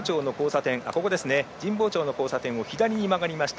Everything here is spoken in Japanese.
神保町の交差点を左に曲がりました。